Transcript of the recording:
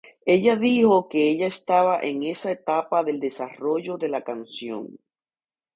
Ella dijo que ella estaba en esa etapa del desarrollo de la canción.